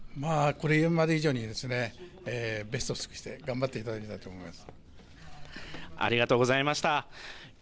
これまで以上にベストを尽くして頑張っていただきたいと思います。